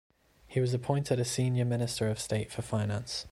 He was appointed a Senior Minister of State for Finance.